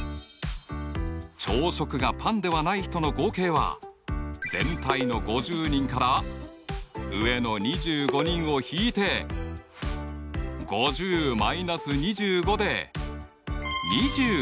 朝食がパンではない人の合計は全体の５０人から上の２５人を引いて５０−２５で２５人。